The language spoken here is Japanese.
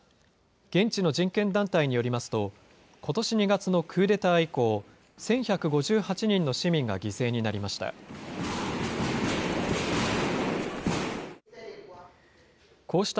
現地の人権団体によりますと、ことし２月のクーデター以降、１１５８人の市民が犠牲になりました。